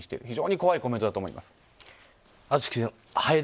非常に怖いコメントだと思います。